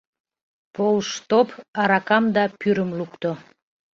Полштоп аракам да пӱрым лукто.